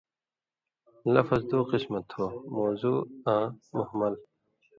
لفظ دُو قِسمہ تُھو مؤضوع آں مُہمل